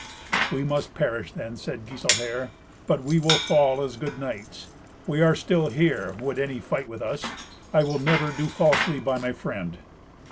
"We must perish then," said Giselher; "but we will fall as good knights. We are still here; would any fight with us? I will never do falsely by my friend."